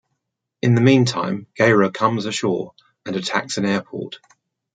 In the meantime, Gaira comes ashore and attacks an airport.